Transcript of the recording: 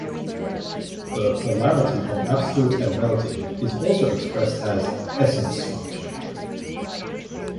The polarity of absolute and relative is also expressed as "essence-function".